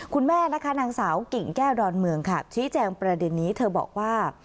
คุณแม่นะคะนางสาวกิ่งแก้วดอนเมืองค่ะชี้แจงประเด็นนี้เธอบอกว่า